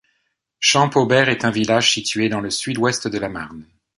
Champaubert est un village situé dans le sud ouest de la Marne.